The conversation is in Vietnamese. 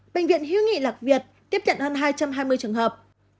bệnh viện hiếu nghị lạc việt tiếp nhận hơn hai trăm hai mươi trường hợp